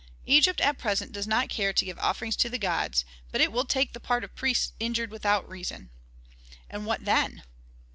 Egypt at present does not care to give offerings to the gods, but it will take the part of priests injured without reason. And what then?